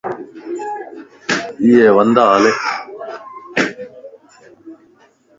اھي وندا ھلي